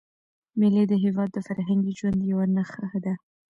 مېلې د هېواد د فرهنګي ژوند یوه نخښه ده.